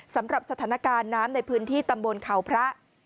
สำหรับสถานการณ์น้ำในพื้นที่ตำบลเขาพระ